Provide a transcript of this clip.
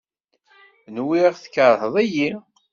Nwiɣ tkerheḍ-iyi.